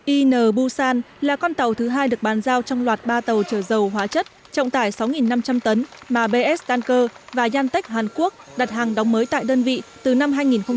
in busan là con tàu thứ hai được bàn giao trong loạt ba tàu chở dầu hóa chất trọng tải sáu năm trăm linh tấn mà bs tanker và yantech hàn quốc đặt hàng đóng mới tại đơn vị từ năm hai nghìn một mươi